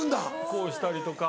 こうしたりとか。